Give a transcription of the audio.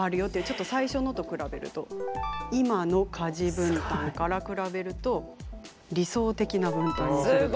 ちょっと最初のと比べると今の家事分担から比べると理想的な分担にするとこのぐらい。